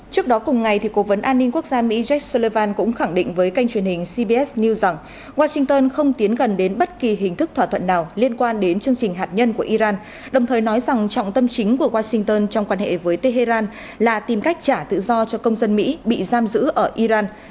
trước đó cùng ngày cố vấn an ninh quốc gia mỹ jake sullivan cũng khẳng định với kênh truyền hình cbs news rằng washington không tiến gần đến bất kỳ hình thức thỏa thuận nào liên quan đến chương trình hạt nhân của iran đồng thời nói rằng trọng tâm chính của washington trong quan hệ với tehran là tìm cách trả tự do cho công dân mỹ bị giam giữ ở iran